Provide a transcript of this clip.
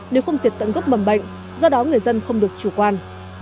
nếu không diệt tận gốc mầm bệnh do đó người dân không được chủ quan